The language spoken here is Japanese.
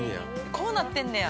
◆こうなってんねや。